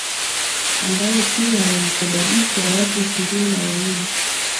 ambayo pia yalisababisha watu ishirini na wawili